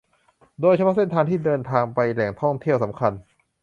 โดยเฉพาะเส้นทางที่เดินทางไปแหล่งท่องเที่ยวสำคัญ